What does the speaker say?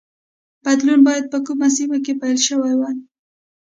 بدلون باید په کومه سیمه کې پیل شوی وای.